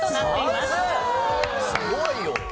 すごいよ！